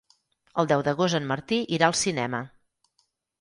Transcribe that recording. El deu d'agost en Martí irà al cinema.